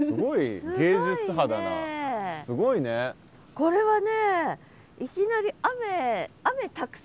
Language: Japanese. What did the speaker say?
これはね